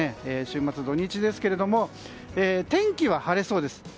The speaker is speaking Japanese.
週末、土日ですけども天気は晴れそうです。